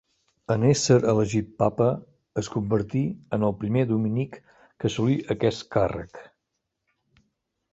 En ésser elegit papa, es convertí en el primer dominic que assolí aquest càrrec.